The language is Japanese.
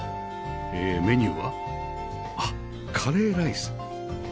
えメニューはあっカレーライス！